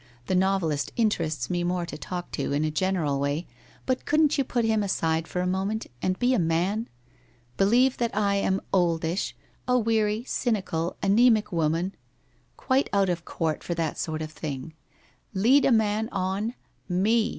The novelist interests me more to talk to, in a general way, but couldn't you put him aside for a moment, and be a man? Believe that I am oldish, a weary, cynical, anaemic woman, quite out of court for that sort of thing. Lead a man on! Me!